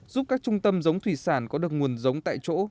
giúp các trung tâm giống thủy sản có được nguồn giống tại chỗ